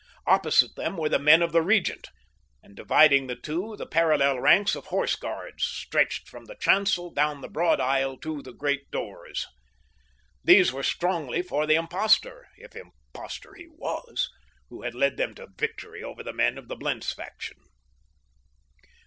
Opposite them were the men of the Regent, and dividing the two the parallel ranks of Horse Guards stretched from the chancel down the broad aisle to the great doors. These were strongly for the impostor, if impostor he was, who had led them to victory over the men of the Blentz faction.